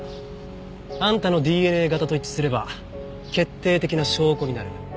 あんたのＤＮＡ型と一致すれば決定的な証拠になる。